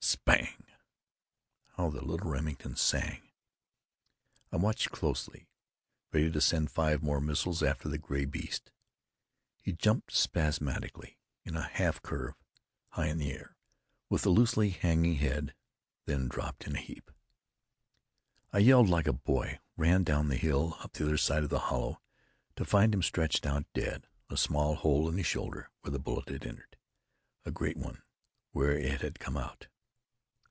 Spang! How the little Remington sang! I watched closely, ready to send five more missiles after the gray beast. He jumped spasmodically, in a half curve, high in the air, with loosely hanging head, then dropped in a heap. I yelled like a boy, ran down the hill, up the other side of the hollow, to find him stretched out dead, a small hole in his shoulder where the bullet had entered, a great one where it had come out.